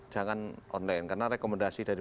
jangan online karena rekomendasi dari